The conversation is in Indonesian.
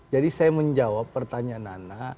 jadi saya menjawab pertanyaan